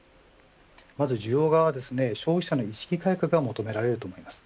まず需要側は消費者の意識改革が求められると思います。